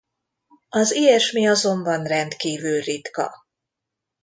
Az ilyesmi azonban rendkívül ritka.